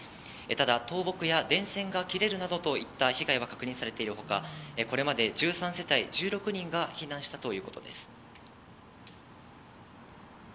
ただ、倒木や電線が切れるなどといった被害は確認されているほか、これまで１３世帯１６人が避難したということです。